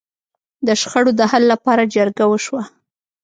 د شخړو د حل لپاره جرګه وشوه.